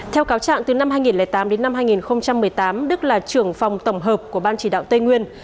theo cáo trạng từ năm hai nghìn tám đến năm hai nghìn một mươi tám đức là trưởng phòng tổng hợp của ban chỉ đạo tây nguyên